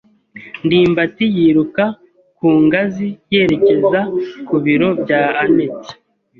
ndimbati yiruka ku ngazi yerekeza ku biro bya anet.